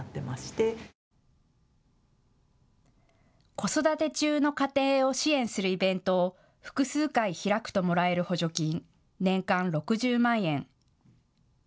子育て中の家庭を支援するイベントを複数回開くともらえる補助金、年間６０万円。